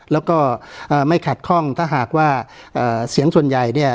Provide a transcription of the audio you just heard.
แล้วก็ไม่ขัดข้องถ้าหากว่าเสียงส่วนใหญ่เนี่ย